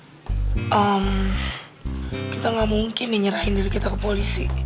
ehm kita gak mungkin nih nyerahin diri kita ke polisi